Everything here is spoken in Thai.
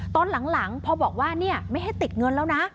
ตอนหลังพอบอกว่าไม่ให้ติดเงินแล้วนะ